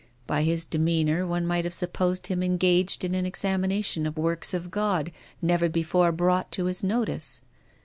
By his demeanour one might have supposed him engaged in an examination of works of God never before brought to his notice.